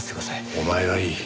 お前はいい。